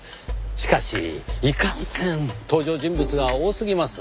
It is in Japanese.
しかしいかんせん登場人物が多すぎます。